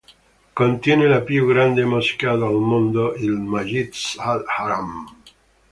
Contiene la più grande moschea del mondo, il Masjid al-Haram.